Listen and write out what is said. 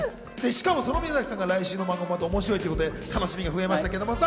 しかも、その宮崎さんが来週また面白いということで、楽しみが増えました。